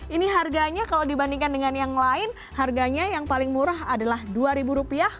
ini harganya kalau dibandingkan dengan yang lain harganya yang paling murah adalah rp dua